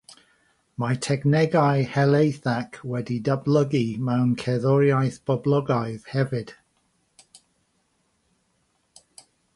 Mae technegau helaethach wedi datblygu mewn cerddoriaeth boblogaidd hefyd.